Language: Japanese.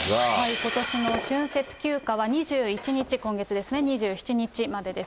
ことしの春節休暇は２１日、今月ですね、２７日までです。